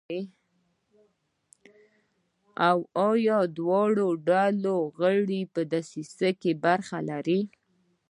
او یا د دواړو ډلو ټول غړي په دسیسه کې برخه لري.